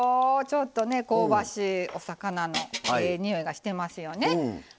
ちょっとね香ばしいお魚のええにおいがしてますよね。